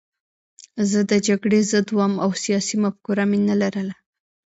زه د جګړې ضد وم او سیاسي مفکوره مې نه لرله